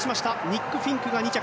ニック・フィンクが２着。